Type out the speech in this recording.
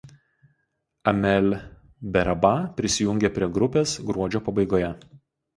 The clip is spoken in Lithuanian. Amelle Berrabah prisijungė prie grupės gruodžio pabaigoje.